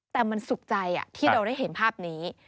แต่มันสุขใจที่เราได้เห็นภาพนี้